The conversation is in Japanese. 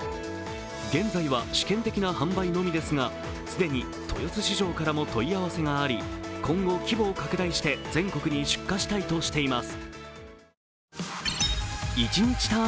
現在は試験的な販売のみですが既に豊洲市場からも問い合わせがあり今後、規模を拡大して全国に出荷したいとしています。